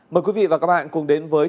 mời quý vị và các bạn cùng đến với